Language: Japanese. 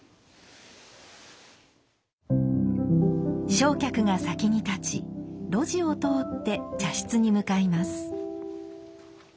正客が先に立ち露地を通って茶室に向かいます。